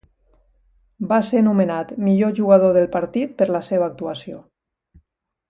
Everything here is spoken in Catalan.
Va ser nomenat Millor jugador del partit per la seva actuació.